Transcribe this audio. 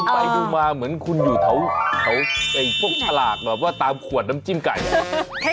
ไปดูมาเหมือนคุณอยู่แถวพวกฉลากแบบว่าตามขวดน้ำจิ้มไก่